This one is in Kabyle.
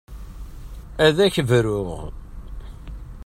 Ad ak-bruɣ.